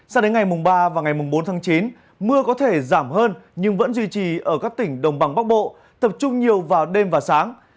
sao đến ngày mùng ba và ngày mùng bốn tháng chín mưa có thể giảm hơn nhưng vẫn duy trì ở các tỉnh đồng bằng bắc bộ tập trung nhiều vào đêm và sáng